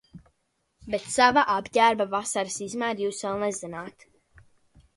Bet sava apģērba vasaras izmēru jūs vēl nezināt